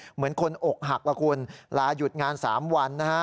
เหมือนคนอกหักล่ะคุณลาหยุดงาน๓วันนะฮะ